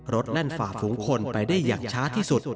แล่นฝ่าฝูงคนไปได้อย่างช้าที่สุด